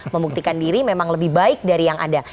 membuktikan diri memang lebih baik dari yang ada